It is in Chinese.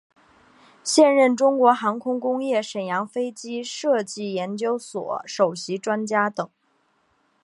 现任中国航空工业沈阳飞机设计研究所首席专家等。